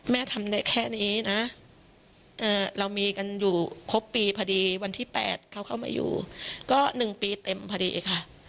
ทำได้แค่นี้นะเรามีกันอยู่ครบปีพอดีวันที่๘เขาเข้ามาอยู่ก็๑ปีเต็มพอดีค่ะ